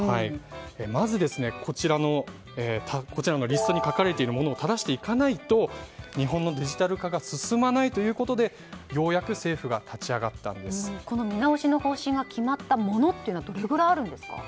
まず、こちらのリストに書かれているものを正していかないと日本のデジタル化が進まないということでようやくこの見直しの方針が決まったものというのはどれぐらいあるんですか？